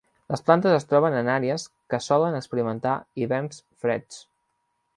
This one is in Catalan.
Les plantes es troben en àrees que solen experimentar hiverns freds.